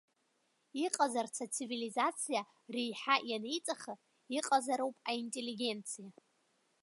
Иҟазарц ацивилизациа, реиҳа ианеиҵаха, иҟазароуп аинтеллигенциа.